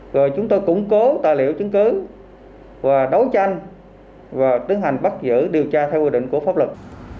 rồi chúng tôi củng cố tài liệu chứng cứ và đấu tranh và tiến hành bắt giữ điều tra theo quy định của pháp luật